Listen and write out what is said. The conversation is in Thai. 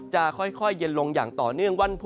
จะค่อยเย็นลงอย่างต่อเนื่อง